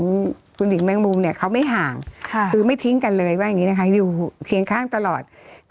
และนี้คุณดิงแม่งบุมเขาไม่ห่างคือไม่ทิ้งเลยอยู่เคียงข้างตลอด